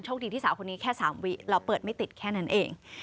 ดีที่สาวคนนี้แค่๓วิเราเปิดไม่ติดแค่นั้นเอง